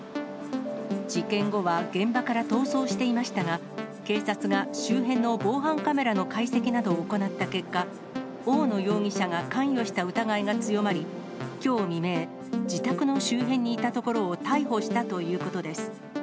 事件後は現場から逃走していましたが、警察が周辺の防犯カメラの解析などを行った結果、大野容疑者が関与した疑いが強まり、きょう未明、自宅の周辺にいたところを逮捕したということです。